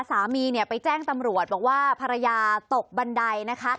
สามีเนี่ยไปแจ้งตำรวจบอกว่าภรรยาตกบันไดนะคะ